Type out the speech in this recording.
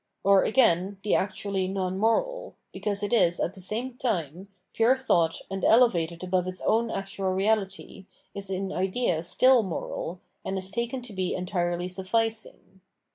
Or, again, the actually non moral, because it is, at the same time, pure thought and elevated above its own actual reality, is in idea still moral, and is taken to be entirely sufficing.